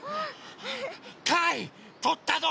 かいとったぞ！